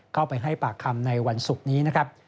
เข้าไปให้ปากคำในวันศุกร์นี้นะครับ